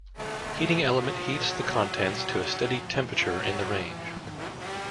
Heating element heats the contents to a steady temperature in the range.